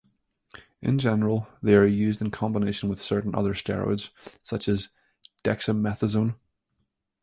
In general, they are used in combination with certain other steroids such as dexamethasone.